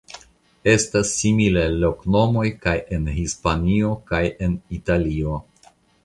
Estas similaj loknomoj kaj en Hispanio kaj en Italio.